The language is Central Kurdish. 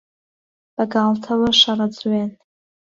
بەگاڵتەوە شەڕە جوێن